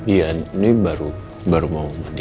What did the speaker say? iya ini baru mau di